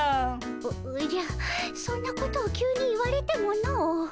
おおじゃそんなことを急に言われてもの。